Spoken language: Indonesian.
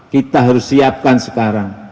kita harus siapkan sekarang